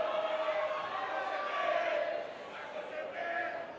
aduh di mana tempat duduk itu